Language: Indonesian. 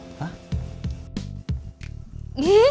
kenapa mulut kamu mangap seperti itu